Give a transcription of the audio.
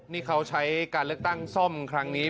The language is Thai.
นี่เขาใช้การเลือกตั้งซ่อมครั้งนี้